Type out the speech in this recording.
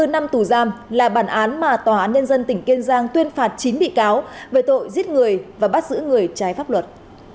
một trăm bảy mươi bốn năm tù giam là bản án mà tòa án nhân dân tỉnh kiên giang tuyên phạt chín bị cáo về tội giết người và bắt giữ người trái pháp luật